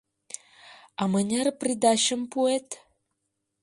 — А мыняр придачым пуэт?